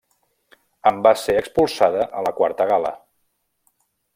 En va ser expulsada a la quarta gala.